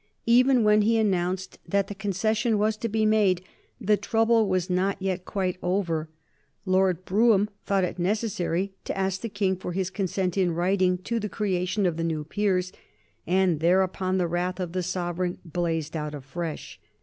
Even when he announced that the concession was to be made the trouble was not yet quite over. Lord Brougham thought it necessary to ask the King for his consent in writing to the creation of the new peers, and hereupon the wrath of the sovereign blazed out afresh.